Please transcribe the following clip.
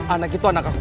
anak itu anak aku